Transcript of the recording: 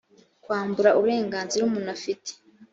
kwambura uburenganzira umuntu afite